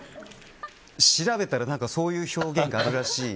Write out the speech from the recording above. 調べたらそういう表現があるらしい。